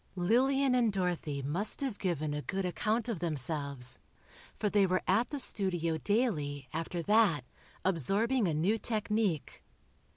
Lillian and Dorothy must have given a good account of themselves, for they were at the studio daily, after that, absorbing a new technique.